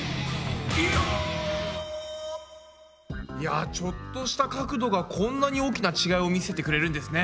いやちょっとした角度がこんなに大きな違いを見せてくれるんですね。